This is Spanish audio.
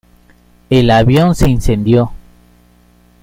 El avión se incendió.